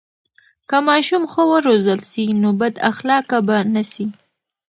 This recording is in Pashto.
که ماشوم ښه و روزل سي، نو بد اخلاقه به نه سي.